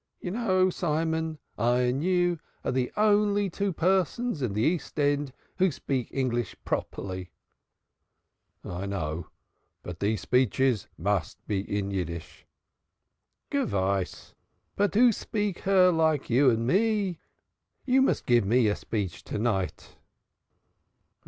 You know, Simon, I and you are de only two persons in de East End who speak Ainglish properly." "I know. But these speeches must be in Yiddish." "Gewiss. But who speak her like me and you? You muz gif me a speech to night."